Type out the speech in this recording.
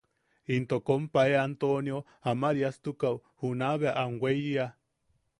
Into kompae Antonio Amariastukaʼu juna bea am weiya.